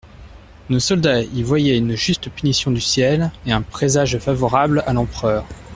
Nos soldats y voyaient une juste punition du ciel, et un présage favorable à l'empereur.